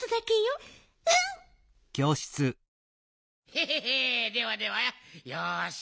ヘヘヘではではよし。